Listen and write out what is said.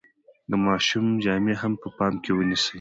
د ماشوم جامې هم په پام کې ونیسئ.